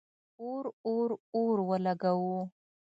اور، اور، اور ولګوو